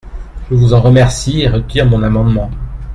Je vous en remercie et retire mon amendement.